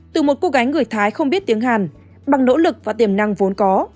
từ một cô gái người thái không biết tiếng hàn bằng nỗ lực và tiềm năng vốn có